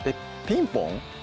ピンポン？